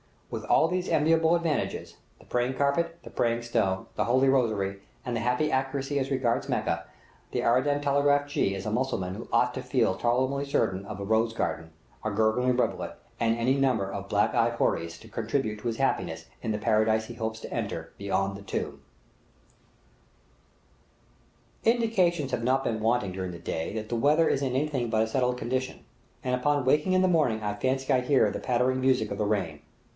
With all these enviable advantages the praying carpet, the praying stone, the holy rosary, and the happy accuracy as regards Mecca the Aradan telegraph jee is a Mussulman who ought to feel tolerably certain of a rose garden, a gurgling rivulet, and any number of black eyed houris to contribute to his happiness in the paradise he hopes to enter beyond the tomb. Indications have not been wanting during the day that the weather is in anything but a settled condition, and upon waking in the morning I fancy I hear the pattering music of the rain.